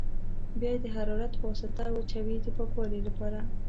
بیا یې د حرارت په واسطه وچوي د پاکوالي لپاره.